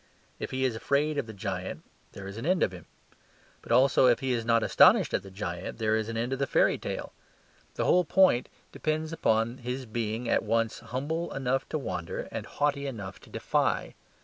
If he is afraid of the giant, there is an end of him; but also if he is not astonished at the giant, there is an end of the fairy tale. The whole point depends upon his being at once humble enough to wonder, and haughty enough to defy.